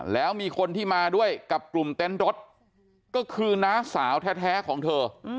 แล้วมีคนที่มาด้วยกับกลุ่มเต็นต์รถก็คือน้าสาวแท้ของเธอ